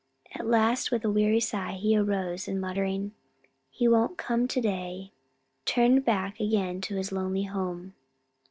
At last, with a weary sigh, he arose, and muttering, "He won't come to day," turned back again to his lonely home.